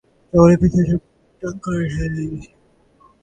টাওয়ারের পিছনে সব টাকা ঢেলে দিয়েছি।